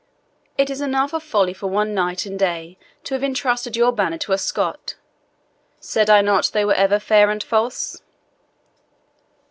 It is enough of folly for one night and day to have entrusted your banner to a Scot. Said I not they were ever fair and false?"